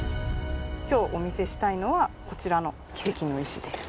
今日お見せしたいのはこちらのキセキの石です。